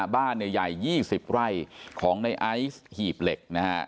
บ้านใหญ่๒๐ไร่ของในไอซ์หีบเหล็กนะฮะ